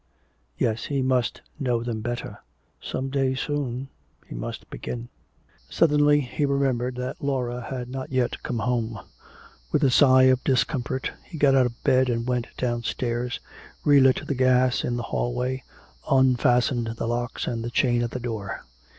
Yes, he must know them better. Some day soon he must begin. Suddenly he remembered that Laura had not yet come home. With a sigh of discomfort he got out of bed and went downstairs, re lit the gas in the hallway, unfastened the locks and the chain at the door.